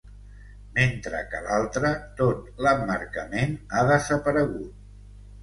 Mentre que l’altra, tot l’emmarcament ha desaparegut.